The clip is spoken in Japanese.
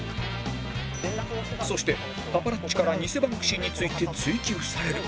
そしてパパラッチから偽バンクシーについて追求される